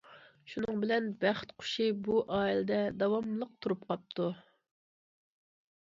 شۇنىڭ بىلەن بەخت قۇشى بۇ ئائىلىدە داۋاملىق تۇرۇپ قاپتۇ.